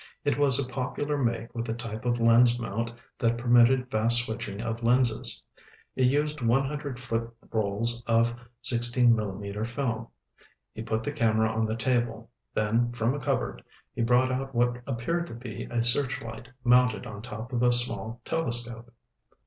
It was a popular make with a type of lens mount that permitted fast switching of lenses. It used one hundred foot rolls of 16 millimeter film. He put the camera on the table, then from a cupboard he brought out what appeared to be a searchlight mounted on top of a small telescope.